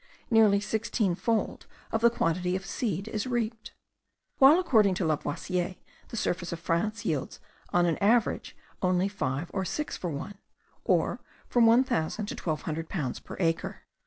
Nearly sixteenfold of the quantity of seed is reaped; while, according to Lavoisier, the surface of France yields on an average only five or six for one, or from one thousand to twelve hundred pounds per acre.